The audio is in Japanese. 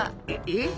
えっ！？